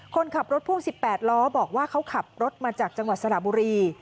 คนขับรถพ่วง๑๘ล้อบอกว่าเขาขับรถมาจากจังหวัดสระบุรี